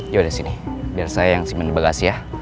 yaudah sini biar saya yang simpen di bagasi ya